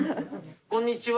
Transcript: こんにちは。